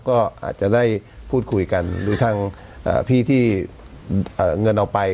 ก็อาจจะได้พูดคุยกันหรือทางพี่ที่เงินเอาไป